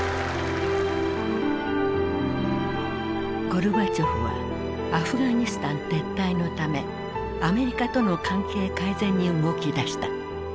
ゴルバチョフはアフガニスタン撤退のためアメリカとの関係改善に動きだした。